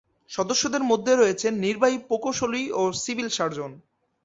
সদস্যের মধ্যে রয়েছেন নির্বাহী প্রকৌশলী ও সিভিল সার্জন।